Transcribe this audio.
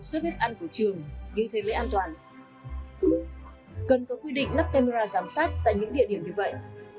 suất bếp ăn của trường như thế mới an toàn cần có quy định nắp camera giám sát tại những địa điểm như vậy